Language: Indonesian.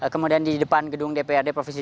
kemudian di depan gedung dprd provinsi